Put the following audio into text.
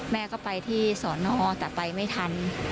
แม่ก็ไปที่สอนอแต่ไปไม่ทัน